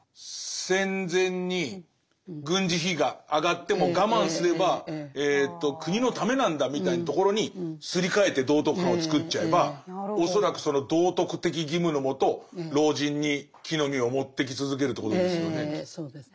戦前に軍事費が上がっても我慢すれば国のためなんだみたいなところにすり替えて道徳観を作っちゃえば恐らくその道徳的義務の下老人に木の実を持ってき続けるということですよね。